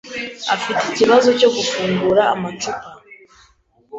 afite ikibazo cyo gufungura amacupa.